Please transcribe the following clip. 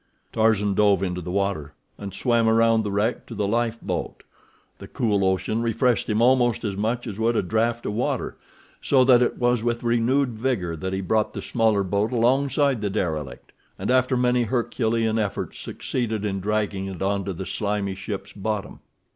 Tarzan dove into the water, and swam around the wreck to the lifeboat. The cool ocean refreshed him almost as much as would a draft of water, so that it was with renewed vigor that he brought the smaller boat alongside the derelict, and, after many herculean efforts, succeeded in dragging it onto the slimy ship's bottom.